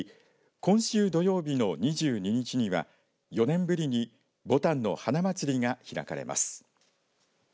今週土曜日の２２日には４年ぶりにぼたんの花まつりが開かれます。